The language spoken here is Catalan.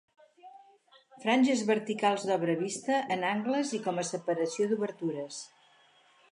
Franges verticals d'obra vista en angles i com a separació d'obertures.